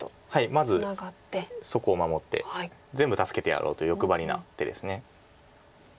まずそこを守って全部助けてやろうと欲張りな手です。